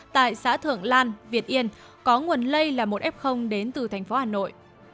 tại xã thượng lan việt yên có nguồn lây là một f đến từ thành phố hà nội